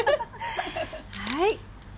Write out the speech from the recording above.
はい。